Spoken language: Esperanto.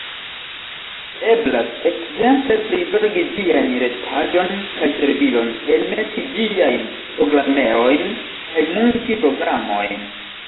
Eblas ekzemple prizorgi ĝiajn retpaĝon kaj servilon, enmeti ĝiajn programerojn kaj munti programojn.